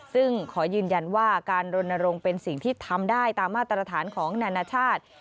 ซึ่งขอยืนยันว่าการรณรงค์เป็นสิ่งที่ทำได้ตามมาตรฐานของนานาชาติ